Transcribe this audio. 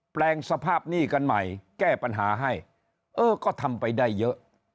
แปลงสภาพหนี้กันใหม่แก้ปัญหาให้เออก็ทำไปได้เยอะ